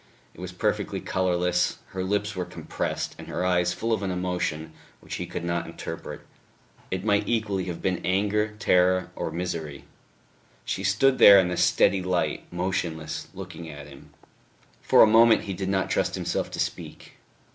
It was perfectly colourless, her lips were compressed and her eyes full of an emotion which he could not interpret. It might equally have been anger, terror or misery. She stood there in the steady light, motionless, looking at him. For a moment he did not trust himself to speak.